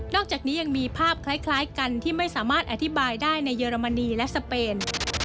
อกจากนี้ยังมีภาพคล้ายกันที่ไม่สามารถอธิบายได้ในเยอรมนีและสเปน